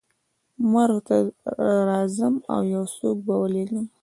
مرو ته راځم او یو څوک به ولېږم.